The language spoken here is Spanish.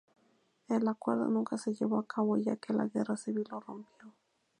El acuerdo nunca se llevó a cabo, ya que la guerra civil lo rompió.